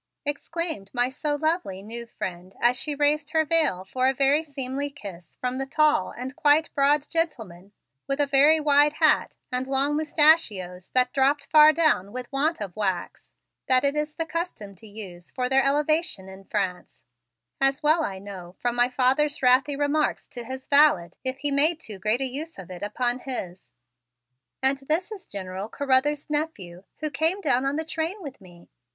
exclaimed my so lovely new friend as she raised her veil for a very seemly kiss from a tall and quite broad gentleman with a very wide hat and long mustachios that dropped far down with want of wax that it is the custom to use for their elevation in France, as I well know from my father's wrathy remarks to his valet if he made a too great use of it upon his. "And this is General Carruthers' nephew who came down on the train with me.